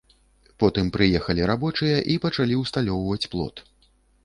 Потым прыехалі рабочыя і пачалі ўсталёўваць плот.